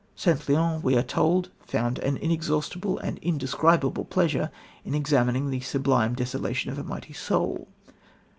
St. Leon, we are told, "found an inexhaustible and indescribable pleasure in examining the sublime desolation of a mighty soul."